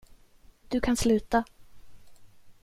Du kan sluta.